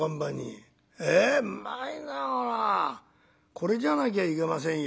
これじゃなきゃいけませんよ。